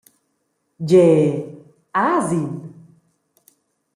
Gie …» «Has in?